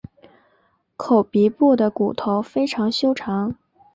口鼻部的骨头非常修长。